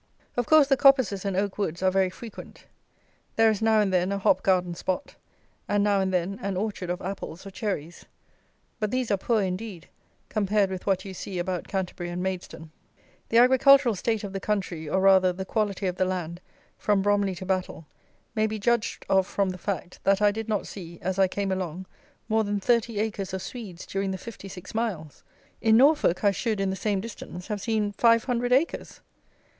Of course the coppices and oak woods are very frequent. There is now and then a hop garden spot, and now and then an orchard of apples or cherries; but these are poor indeed compared with what you see about Canterbury and Maidstone. The agricultural state of the country or, rather, the quality of the land, from Bromley to Battle, may be judged of from the fact, that I did not see, as I came along, more than thirty acres of Swedes during the fifty six miles! In Norfolk I should, in the same distance, have seen five hundred acres!